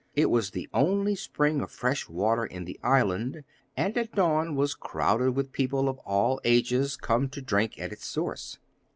It was the only spring of fresh water in the island, and at dawn was crowded with people of all ages, come to drink at its source.